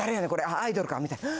ああアイドルかみたいな。